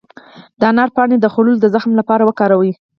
د انار پاڼې د خولې د زخم لپاره وکاروئ